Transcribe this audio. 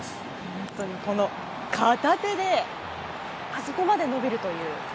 本当に片手であそこまで伸びるという。